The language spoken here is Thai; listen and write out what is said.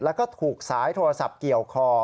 แล้วก็ถูกสายโทรศัพท์เกี่ยวคอ